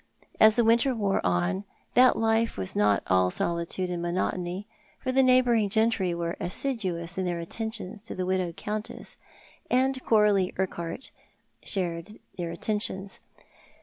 As the winter wore on, that life was not all solitude and monotony, for the neigiibouring gentry were assiduous in their attentions to the widowed Countess, and Coralie Urquhart shared their attentions.